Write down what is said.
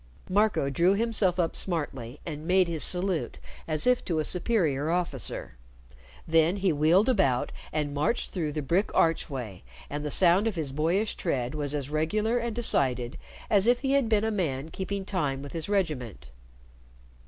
Marco drew himself up smartly and made his salute as if to a superior officer. Then he wheeled about and marched through the brick archway, and the sound of his boyish tread was as regular and decided as if he had been a man keeping time with his regiment.